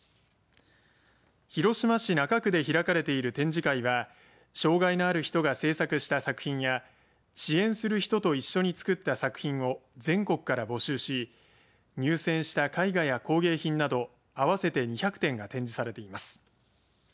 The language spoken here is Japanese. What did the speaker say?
広島市中区で開かれている展示会は障害のある人が制作した作品や支援する人と一緒に作った作品を全国から募集し入選した絵画や工芸品など合わせて２００点が展示されています。